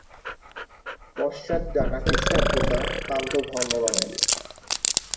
পশ্চাৎ ডানা কিছুটা ভোঁতা, প্রান্ত ঘন রং এর।